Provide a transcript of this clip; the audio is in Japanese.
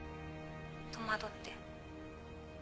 戸惑って。